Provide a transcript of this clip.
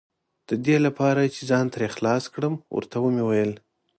د دې لپاره چې ځان ترې خلاص کړم، ور ته مې وویل.